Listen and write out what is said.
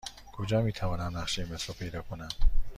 کجا می توانم نقشه مترو پیدا کنم؟